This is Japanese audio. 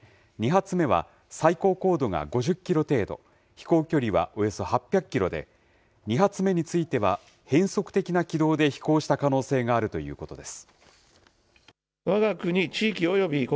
２発目は最高高度が５０キロ程度、飛行距離はおよそ８００キロで、２発目については、変則的な軌道で飛行した可能性があるということです。